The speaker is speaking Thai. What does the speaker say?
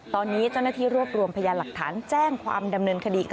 ตอนนี้เจ้าหน้าที่รวบรวมพยานหลักฐานแจ้งความดำเนินคดี